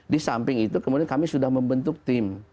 di samping itu kemudian kami sudah membentuk tim